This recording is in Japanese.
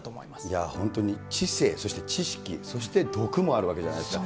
いや、本当に知性、そして知識、そして毒もあるわけじゃないですか。